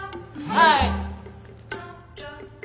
はい！